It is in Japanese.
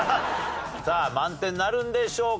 さあ満点なるんでしょうか？